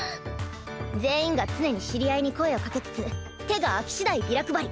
全員が常に知り合いに声を掛けつつ手が空きしだいビラ配り。